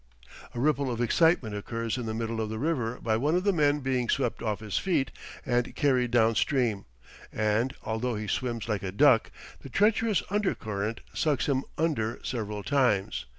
A ripple of excitement occurs in the middle of the river by one the men being swept off his feet and carried down stream; and, although he swims like a duck, the treacherous undercurrent sucks him under several times.